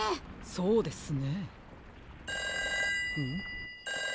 そうですね。